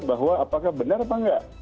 bahwa apakah benar apa enggak